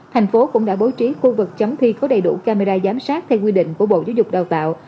thành phố cũng đã bố trí khu vực chấm thi có đầy đủ camera giám sát theo quy định của bộ giáo dục đào tạo